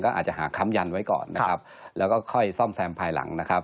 ก็อาจจะหาค้ำยันไว้ก่อนนะครับแล้วก็ค่อยซ่อมแซมภายหลังนะครับ